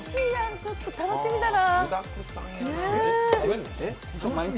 ちょっと楽しみだな。